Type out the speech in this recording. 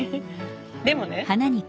でもね。